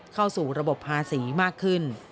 เข้าสู่ระบบภาษีมากขึ้น